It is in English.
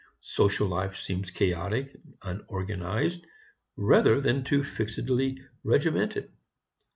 Social life seems chaotic, unorganized, rather than too fixedly regimented.